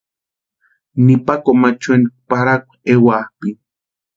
Nipa Comachueni parhakwa ewapʼiani.